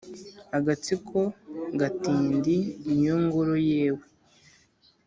agatsiko gatindi ni yo ngoro yewe